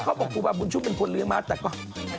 ครูบอกครูบาบุญชุมเป็นคนเลี้ยงมาแต่ก็